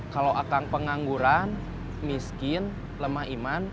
kalau akan pengangguran miskin lemah iman